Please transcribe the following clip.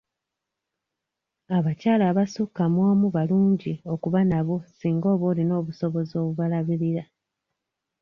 Abakyala abasukka mu omu balungi okuba nabo singa oba olina obusobozi obubalabirira.